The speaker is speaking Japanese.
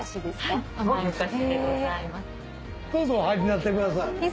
どうぞお入りになってください。